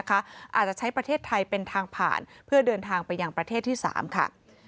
อาจจะใช้ประเทศไทยเป็นทางผ่านเพื่อเดินทางไปยังประเทศที่๓ค่ะ